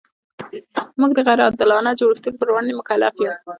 موږ د غیر عادلانه جوړښتونو پر وړاندې مکلف یو.